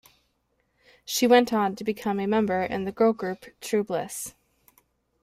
She went on to become a member in the girl group TrueBliss.